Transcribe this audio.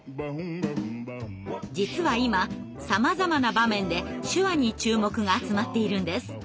実は今さまざまな場面で手話に注目が集まっているんです。